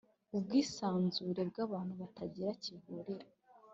ubwisanzure bw abantu batagira kivurira